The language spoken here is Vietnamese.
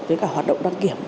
với cả hoạt động đăng kiểm